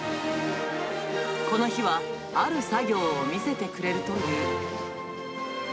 この日はある作業を見せてくれるという。